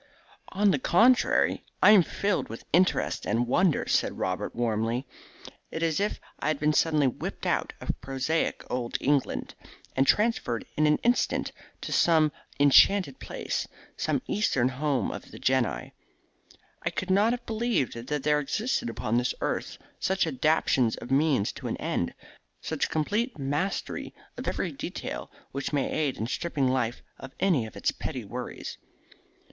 "On the contrary, I am filled with interest and wonder," said Robert warmly. "It is as if I had been suddenly whipped up out of prosaic old England and transferred in an instant to some enchanted palace, some Eastern home of the Genii. I could not have believed that there existed upon this earth such adaptation of means to an end, such complete mastery of every detail which may aid in stripping life of any of its petty worries."